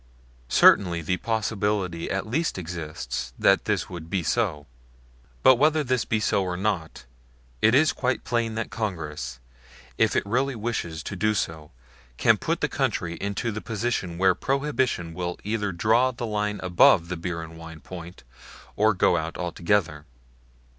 Certainly the possibility at least exists that this would be so. But whether this be so or not, it is quite plain that Congress, if it really wishes to do so, can put the country into the position where Prohibition will either draw the line above the beer and wine point or go out altogether.